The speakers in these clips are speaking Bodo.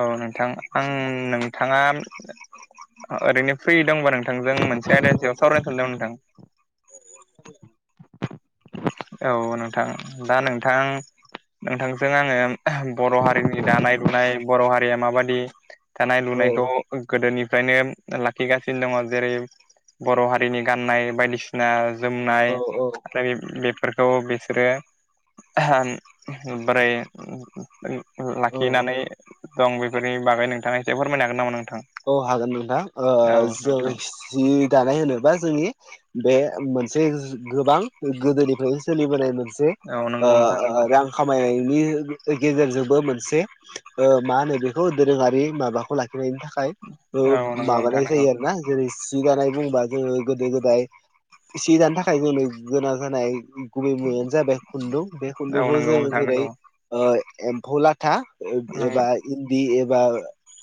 औ नोंथां आं नोंथाङा ओरैनो फ्रि दंबा नोंथांजों मोनसे आयदानि सायाव सावरायनो सानदोंमोन नोंथां [inaudible] औ नोंथां दा नोंथां नोंथांजों आङो बर' हारिनि दानाय लुनाय बर' हारिया माबादि दानाय लुनाय खौ गोदोनिफ्रायनो लाखिगासिनो दङ जेरै बर' हारिनि गाननाय बायदिसिना जोमनाय औ आरो बेफो फोरखौ बिसोरो बोरै औ लाखिनानै दं बेफोरनि बागै नोंथा एसे फोरमाय हागोन नामा नों औ हागोन नोंथां जों नोंथां जि दानाय होनो बा जोंनि बे मोनसे गोबां गोदोनिफ्रायनो सोलिबोनाय मोनसे औ नंगौ नोंथां नंगौ रां खामायनाय नि ओ गेजेरजोंबो मोनसे मा होनो बेखौ दोरोङारि माबाखौ लाखिनायनि था औ नंगौ नोंथां माबानाय नंगौ जायो आरो ना जेरै सि दानाय बुंबा जोङो गोदो गोदाय एसे जानो थाखाय जोंनो गोनां जानाय गुबै मुवायानो जाबाय खुन्दुं बे औ खुन्दुंखौ नंगौ जों नोंथां जेरै नंगौ एमफौ लाथा नंगौ एबा इन्दि बा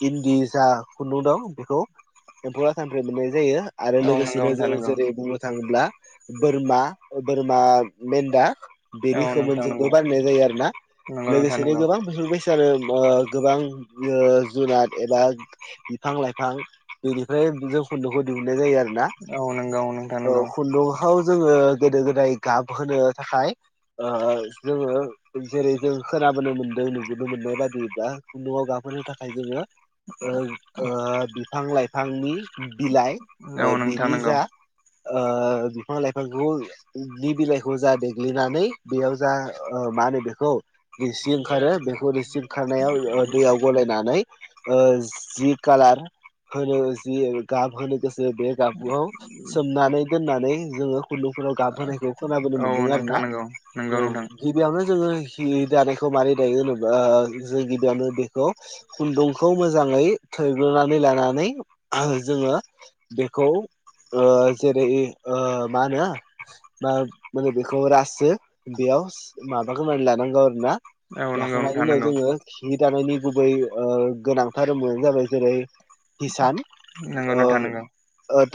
इन्दि जा खुन्दुं दं बेखौ एम्फौ लाथानिफ्राय मोननाय जायो आरो औ नंगौ लोगोसेनो नोंथां जों नंगौ जेरै बुंनो थाङोब्ला बोरमा बोरमा मेन्दा बे औ नोंथां नंगौ खोमोनजोंबो बायनाय जायो आरो ना नंगौ नोंथां लोगोसेनो नंगौ गोबां बोसोर बैसोआनो गोबां जुनार एबा बिफां लाइफां बेनिफ्राय जों खुन्दुंखौ दिहुननाय जायो आरो ना औ नंगौ खुन्दुंखौ जोङो गोदो गोदाय गाब होनो थाखाय ओ जोङो जेरै जों खोनाबोनो मोनदों नुनो मोननाय बादि दा खुन्दुाव गाखोनो थाखाय जोङो ओ बिफां लाइफांनि बिलाइ नोंथां बेनि नंगौ जा ओ बिफां लाइफांखौनि बिलाइखौ जादों देग्लिनानै बेयाव जा मा होनो बेखौ रेसि ओंखारो बेखौ रिसि ओंखारनायाव दैयाव गलायनानै जि कालार होनो जि गाब होनो गोसो बे गाबुआव सोमनानै दोननानै जोङो खुन्दुं'फोराव गाबहोनायखौ खोनाबोनो औ नोंथां नंगौ औ मोन्दों आरो नोंथां ना नंगौ नंगौ औ नोंथां गिबियावनो जोङो जि दानायखौ मारै दायो होनोबा जों गिबियावनो बेखौ खुन्दुंखौ मोजाङै थैग्लोनानै लानानै जोङो बेखौ आ जेरै मा होनो मा माने बेखौ रासो बेयाव माबाखौनानै लानांगौ आरो ना औ लाखांनायनि उनाव जोङो जि दानायनि गुबै गोनां धोरोमानो जाबाय जेरै किसान नंगौ ओ नोंथां नंगौ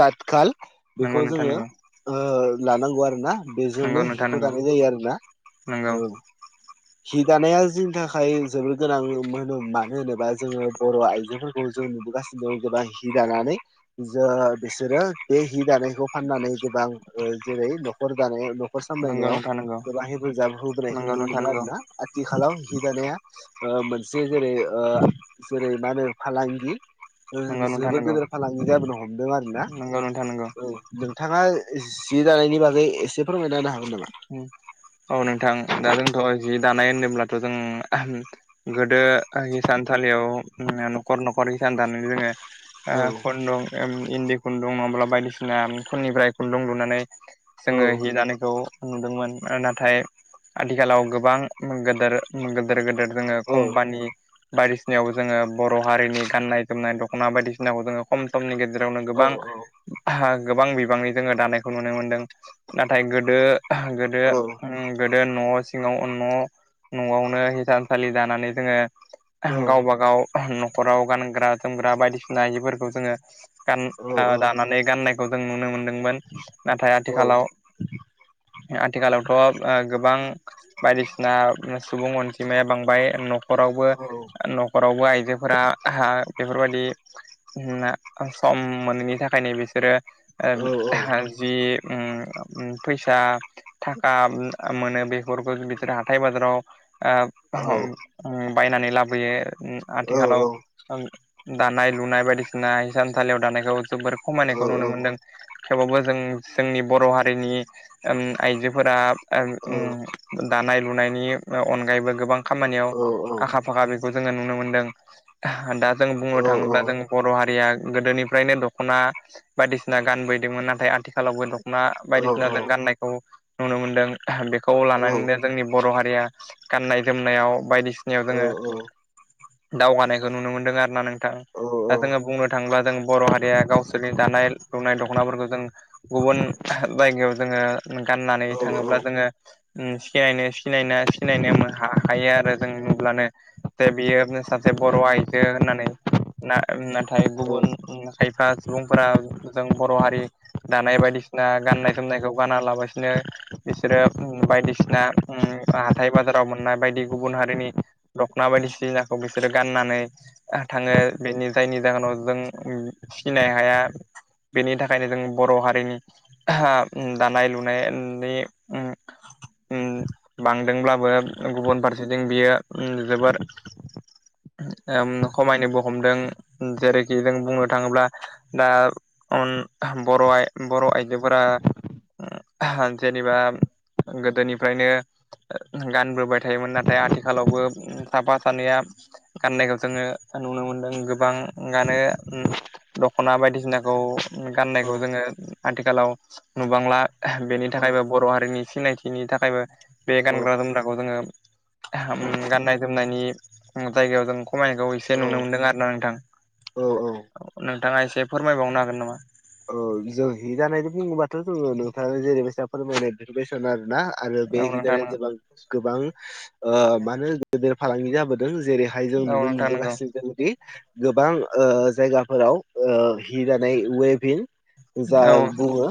ततखाल नंगौ बेखौ नोंथां जोङो नंगौ ओ लानांगौ आरो ना बेजोंनो हिखौ दानाय जायो आरो ना नोंगौ ओ हि दानाया जोंनि थाखाय जोबोर गोनां मोनो मानो होनोबा जोङो बर' आइ जोफोरखौ जों नुबोगासिनो दं गोबां हि दानानै जो बिसोरो बे हि दानायखौ फाननानै गोबां जेरै न'खरानाय नखर सा मलायनायाव नोंथां नंगौ नोंथां नंगौ गोबां हेफाजाब होबोनायखौ नंगौ नुनो मोनो आरो ना आथिखालाव हि जानाया मोनसे जेरै जेरै मा होनो फालांगि नोंथां जोबोर नंगौ गोदोर फालांगि जाबोनो हमदों आरोना नंगौ नोंथां नंगौ नोंथां नंगौ औ नोंथाङा जि दानायनि बागै एसे फोरमायना हा औ नोंथां दा जोंथ' जि दानाय होनोब्लाथ' जों गोदो हिसानसालियाव न'खर न'खर हिसान दानानै जोङो औ खुन्दुं इन्दि खुन्दुं मङाब्ला बायदिसिना खननिफ्राय खुन्दुं लुनानै औ जोङो हि लानायखौ नुदोंमोन नाथाय आथिखालाव गोबां गोदोर गेदेर गेदेर जोङो औ कम्पानि बायदिसिनायाव जोङो बर' हारिनि गाननाय जोमनाय दख'ना बायदिसिनाखौ जोङो खम समनि गेजे रावनो औ गोबां गोबां बिबांनि जोङो दानायखौ नुनो मोनदों नाथाय गोदो गोदो औ गोदो न' सिङाव न' न'आवनो हिसानसालि जानानै औ जोङो गावबा गाव न'खराव गानग्रा जोमग्रा बायदिसिना आइजोफोरखौ जोङो गान दानानै गाननाय खौ जों नुनो मोनदोंमोन नाथाय आथिखालाव आथिखालावथ' गोबां बायदिसिना सुबुं अनजिमाया बांबाय न'खरावबो न'खरावबो आइजोफोरा बेफोरबायदि सम मोनैनि थाखायनो बिसोरो जि उम फैसा थाखा मोनो बेफोरखौ बिसोर हाथाय बाजाराव बायनानै लाबोयो आथिखालाव दानाय लुनाय बायदिसिना हिसानसालियाव दानायखौ जोबोर खमायनायखौ नुनो मोनदों थेवबाबो जों जोंनि बर' हारिनि आइजोफोरा दानाय लुनायनि अनगायैबो गोबां खामानियाव आखा फाखा बेखौ जोङो नुनो मोनदों दा जों बुंनो थाङोब्ला जों बर' हारिया गोदोनिफ्रायनो दख'ना बायदिसिना गानबोदोंमोन नाथाय आथिखालावबो मा औ बायदिसिना जों गाननायखौ नुनो मोनदों बेखौ लानानैनो जोंनि बर' हारिया गाननाय जोमनायाव बायदिसिनायाव जोङो दावगानायखौ नुनो मोनदों आरोना नों दा जोङो बुंनो थाङोब्ला जों बर' हारिया गावसोरनि दानाय लुनाय दख'नाफोरखौ जों गुबुन जायगायाव जोङो गाननानै थाङोब्ला जोङो सिनायनो सिनाय सिनायनो हाखायो आरो जों नुब्लानो जे बियो सासे बर' आइजो होननानै नाथाय गुबुन खायफा सुबुंफोरा जों बर' हारि दानाय बायदिसिना गाननाय जोमनायखौ गाना लाबो मासिनो बिसोरो बायदिसिना हाथाय बाजाराव मोननाय बायदि गुबुन हारिनि दखना बायदिसिनाखौ बिसोरो गाननानै थाङो बेनि जायनि जाहोनाव जों सिनाय हाया बेनि थाखायनो जों बर' हारिनि दानाय लुनाय माने बांदोंब्लाबो गुबुन फारसेथिं बियो जोबोर [inaudible] खमायनोबो हमदों जेरैखि जों बुंनो थाङोब्ला दान बर' बर' आइजोफोरा जेनेबा गोदोनिफ्रायनो गानबोबाय थायोमोन नाथाय आथिखालावबो साफा सानैया गाननायखौ जोङो नुनो मोनदों गोबां आनो दख'ना बायदिसिनाखौ गाननायखौ जोङो आथिखालाव नुबांला बेनि थाखायबो औ बर' हारिनि सिनायथि बिनि थाखायबो बे गानग्रा जोमग्राखौ जोङो गाननाय जोमनायनि जायगायाव जों खमायनायखौ एसे नुनो मोनदों आरो ना नोंथां औ नोंथाङा एसे फोरमायबावनो हागोन नामा औ जों हि जानाय बुङोबाथ' जोङो नोंथां जेरैबायसा फोरमायनाय इफरमेसन आरो ना आरो बे औ नोंथां हिदिरानो बां गोबां मा होनो गेदेर फालांगि जाबोदों जेरैहाय जों औ नुनो नोंथां नंगौ मोनबोगासिनो ददि गोबां जायगाफोराव हि दानाय वेभिन जा औ बुङो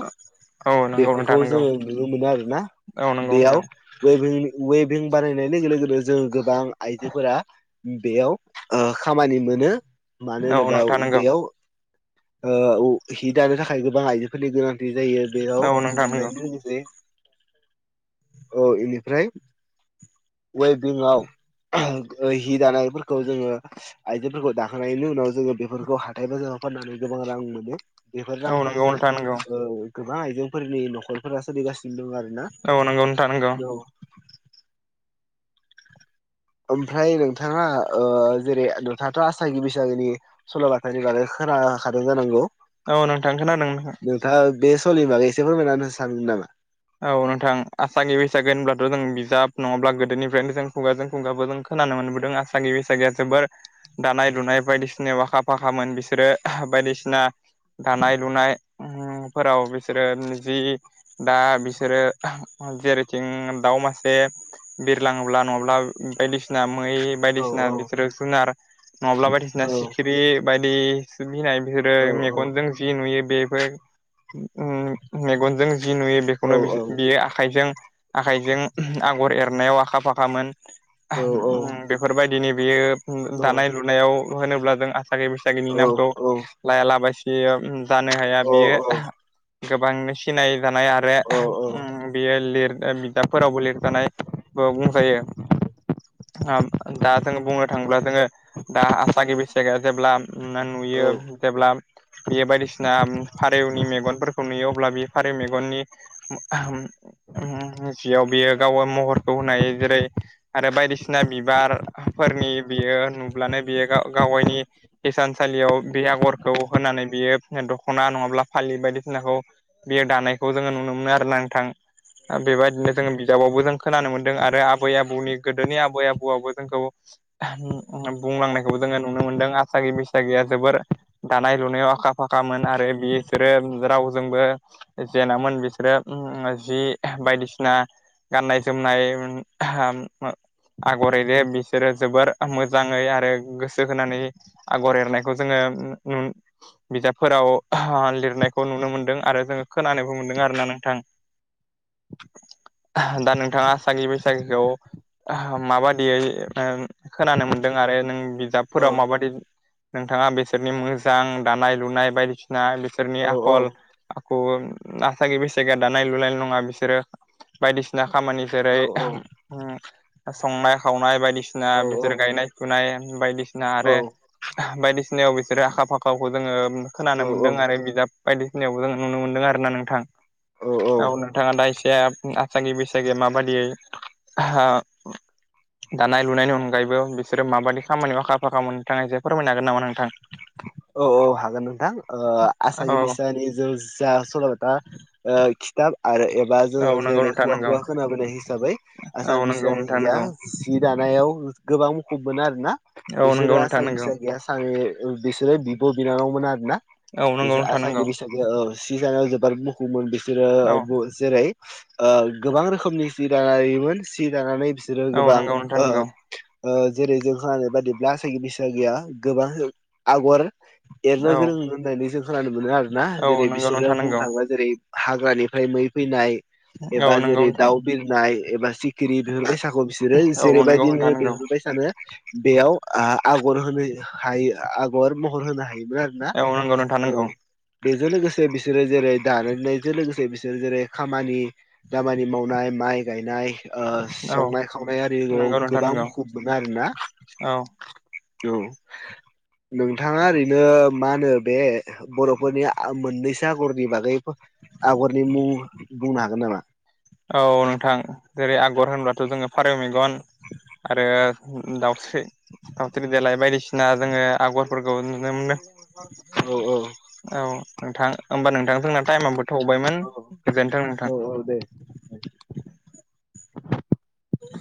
औ नंगौ नोंथां बेफोरखौ नंगौ जोङो नुनो मोनो आरोना औ नंगौ बेयाव नोंथां वेभिं वेभ बानायनाय लोगो लोगोनो जों गोबां आइजोफोरा बेयाव खामानि मोनो मानो औ होनोबा नोंथां नंगौ बेयाव हि दानो थाखाय गोबां आइजोफोरनि गोनांथि जायो बेयाव औ नोंथां मोन नंगौ लोगोसे औ बेनिफ्राय वेभिंआव हि दानायफोरखौ जोङो आइजोफोरखौ दाखोनायनि उनाव जोङो बेफोरखौ हाथाय बाजार फाननानै गोबां रां मोनो बेफोर औ नंगौ रांफोरजों नोंथां नंगौ गोबां आइजेंफोरनि नखरफोरा सोलिगासिनो दं आरो औ नंगौ नोंथां नंगौ ओमफ्राय नोंथाङा जेरै नोंथाङाथ' आसागि बैसागिनि सल' बाथानि बागै खोनाखादों जानांगौ औ नोंथां खोनादों नोंथां सलि बागै एसे फोरमायनानै होनो सानदों नामा? औ नोंथां आसामि बैसागि होनब्लाथ' जों बिजाब नङाब्ला गोदोनिफ्रायनो जों खुंगाजों खुंगाबो जों खो खोनानो मोनबोदों आसागि बैसागिया जोबोर दानाय लुनाय बायदिसिनायाव आखा फाखामोन बिसोरो बायदिसिना दानाय लुनाय फोराव बिसोरो जि दा बिसोरो जेरैथिं दाउ मासे बिरलाङोब्ला नङाब्ला बायदिसिना मै औ बायदिसिना औ बिसोरो जुनार नङाब्ला बायदिसिना औ सिखिरि बायदि बिनाय बिसोरो औ मेगनजों जि नुयो बेफोर मेगनजों जि नुयो बे बे औ बियो आखाइजों आखाइजों आगर एरनायाव आखा फाखामोन औ बेफोरबायदिनि बियो औ दानाय लुनायाव होनोब्ला जों आसा गि बैसागनि औ नामखौ लायालाबासिनो जानो हाया औ बियो औ गोबांनो सिनाय जानाय बेयो लिर बिदाबफोरावबो लिरजानायबो बुंजायो दा जोंङो बुंनो थाङोब्ला जोङो दा आसागि बैसागिया जेब्ला औ नुयो जेब्ला बे बायदिसिना फारौनि मेगनफोरखौ नुयो अब्ला बे फारेउ मेगननि मिथियाव बियो गाव महरखौ होनो हायो जेरै आरो बाय बायदिसिना बिबार फोरनि बियो नुब्लानो बियो गावगायनि हिसान सालियाव बे आगरखौ होनानै बियो दख'ना नङाब्ला फालि बायदिसिनाखौ बियो दानायखौ जोङो नुनो मोनो आरो ना नोंथां बेबायदिनो जों बिजाबावबो जों खोनानो मोन्दों आरो आबै आबौनि गोदोनि आबै आबौआबो जोंखौ बुंलांनायखौबो जोङो नुनो मोनदों आसागि बैसागिया जोबोर दानाय लुनायाव आखा आखा फाखामोन आरो बिसोरो रावजोंबो जेनामोन बिसोरो जि बायदिसिना गाननाय जोमनाय आगर एरो बिसोरो जोबोर मोजाङै आरो गोसो होनानै आगर एरनायखौ जोङो बिजाबफोराव लिरनायखौ नुनो मोनदों आरो जोङो खोनानोबो मोनदों आरोना नोंथां दा नोंथाङा आसागि बैसागिखौ माबादियै ओ खोनानो मोनदों आरो नों बिजाबफोराव औ माबादि नोंथाङा बिसोरनि मोजां दानाय लुनाय बायदिसिना औ बिसोरनि आखल आसागि बैसागिआ दानाय लुनायल नङा बिसोरो बायदिसिना खामानि जेरै संनाय खावनाय बायदिसिना बिदोर गायनाय फुनाय बायदिसिना आरो बायदिसिनायाव बिसोरो आखा फाखाखौ जोङो खोनानो मोन्दों आरो बिजाब बायदिसिनायावबो जोङो नुनो मोनदों आरो ना नोंथां औ नोंथाङा दा एसे जे आसागि बैसागि माबायदियै दानाय लुनायनि अनगायैबो बिसोरो माबायदि खामानियाव आखा फाखा मोन नोंथाङा एसे फोरमायनो हागोन नामा नोंथां औ औ हागोन नोंथां औ आसागि बैसारि जो जा सल' बाथा आरो एबा औ जोङो नंगौ जेरै नोंथां खुगा नंगौ खुगा खोनाबोनाय हिसाबै औ आसागि नंगौ नोंथां बैसागिआ नंगौ जि दानाय याव गोबां मुखुब मोनो आरोना औ बिसोरो नंगौ नोंथां आसगि नंगौ बैसागिया बिसोरो बिब' बिनानावमोन आरो ना औ नंगौ बिसोर नोंथां आसागि नंगौ बैसागिया सि दानायाव जोबोर मुखुबमोन बिसोरो औ जेरै गोबां रोखोमनि सि दायोमोन सि दानानै बिसोरो औ गोबां नंगौ नोंथां नंगौ ओ जेरै जों खोनानाय बादिब्ला आसागि बैसागिया गोबां आगर एरनो औ गोरों होननानै जों खोनानो मोनो आरोना औ जेरै नंगौ बिसोरो नोंथां बुंनो नंगौ थाङोबा जेरै हाग्रानिफ्राय मै फैनाय एबा औ नंगौ जेरै नोंथां दाउ बिरनाय एबा सिखिरि बिहरबायसाखौ बिसोरो औ नंगौ जेरैबायदि नोंथां नुयो नंगौ बिहरबाय सानो बेयाव आ आगर होनो हायो आगर महर होनो हायो मोन आरोना औ नंगौ नोंथां औ नंगौ बेजों लोगोसे बिसोरो जेरै दानायनायजों लोगोसे बिसोर जेरै खामानि दामानि मावनाय माइ गायनाय ओ औ संनाय-खावनाय आरि नंगौ नोंथां गोबां नंगौ मुखुब मोनो आरोना औ औ नोंथाङा ओरैनो मा होनो बे बर'फोरनि मोननैसो आगरनि बागै आगरनि मुं बुंनो हागोन नामा? औ नोंथां जेरै आगर होनब्लाथ' जोङो फारौ मेगन आरो दाउस्रि दाउस्रि देलाय बायदिसिना जोङो आगरफोरखौ नुनो मोनो औ औ औ नोंथां ओमबा नोंथां जोंना टाइमाबो थौबायमोन औ गोजोनथों औ नोंथां औ दे